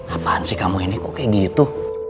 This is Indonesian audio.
apaan sih kamu ini kok kayak gitu